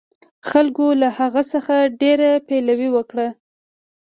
خلکو له هغه څخه ډېره پلوي وکړه.